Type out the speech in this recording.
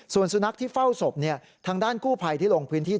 ส่วนสุนัขที่เฝ้าศพทางด้านกู้ภัยที่ลงพื้นที่